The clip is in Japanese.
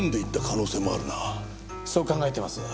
そう考えてます。